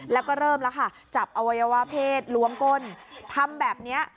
แล้วก็เริ่มแล้วค่ะจับอวัยวะเพศล้วงก้นทำแบบนี้